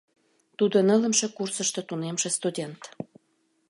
Тудо нылымше курсышто тунемше студент.